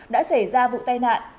đã xảy ra vụ tai nạn